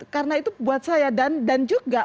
karena itu buat saya dan juga